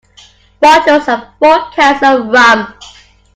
Bottles hold four kinds of rum.